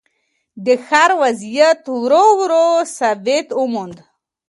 د ښار وضعیت ورو ورو ثبات وموند.